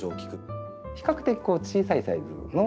比較的小さいサイズの品種です。